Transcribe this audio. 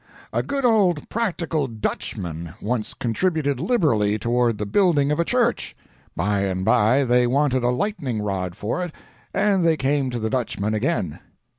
A good old practical Dutchman once contributed liberally toward the building of a church. By and by they wanted a lightning rod for it, and they came to the Dutchman again.